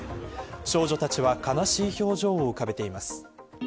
少女たちは悲しい表情を浮かべています。